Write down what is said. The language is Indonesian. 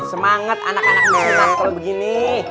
semangat anak anak nelka kalau begini